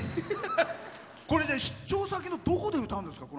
これ出張先のどこで歌うんですか？